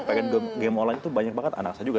pengen game online tuh banyak banget anak saya juga